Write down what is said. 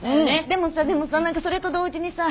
でもさでもさ何かそれと同時にさ。